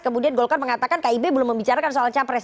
kemudian golkar mengatakan kib belum membicarakan soal capres